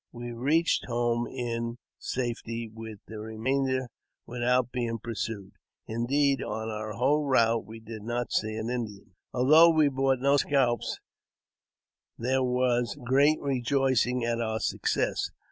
We reached home in, safety with the remainder without being pursued ; indeed, on] our whole route we did not see an Indian. Although we brought no scalps, there was great rejoicing] at our success.